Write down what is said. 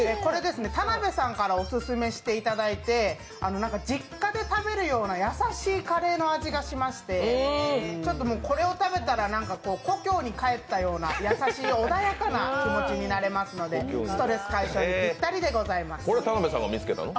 田辺さんからオススメしていただいて実家で食べるような優しいカレーの味がしてましてちょっと、これを食べたら故郷に帰ったような優しい、穏やかな気持ちになれますのでストレス解消にぴったりです。